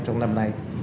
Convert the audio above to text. trong năm nay